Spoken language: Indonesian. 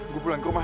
gue pulang ke rumah